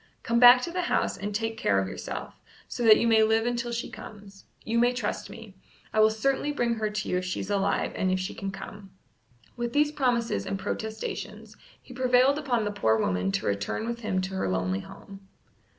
Come back to the house and take care of yourself, so that you may live until she comes. You may trust me. I will certainly bring her to you if she's alive and if she can come." With these promises and protestations he prevailed upon the poor woman to return with him to her lonely home.